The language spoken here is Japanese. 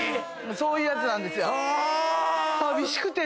そういうやつなんですよ。